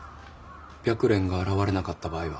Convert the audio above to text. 白蓮が現れなかった場合は？